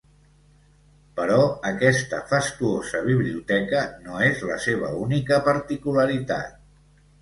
Però aquesta fastuosa biblioteca no és la seva única particularitat.